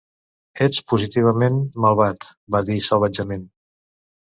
Ets positivament malvat, va dir salvatgement.